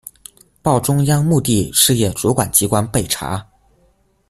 报中央目的事业主管机关备查